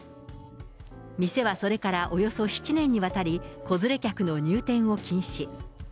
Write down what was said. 店はそれからおよそ７年にわたり、子連れ客の入店を禁止。